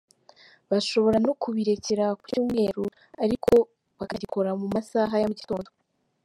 Bashobora no kubirekera ku cyumweru ariko bakagikora mu masaha ya mu gitondo.